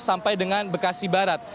sampai dengan bekasi barat